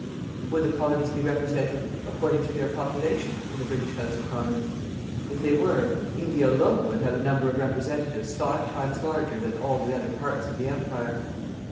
Would the Colonies be represented according to their population in the British House of Commons? If they were, India alone would have a number of representatives five times larger than all the other parts of the Empire.